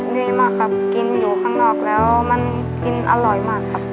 ดีมากครับกินอยู่ข้างนอกแล้วมันกินอร่อยมากครับ